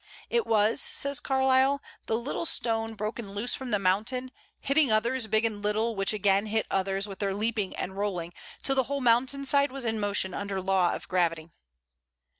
"It was," says Carlyle, "the little stone broken loose from the mountain, hitting others, big and little, which again hit others with their leaping and rolling, till the whole mountain side was in motion under law of gravity."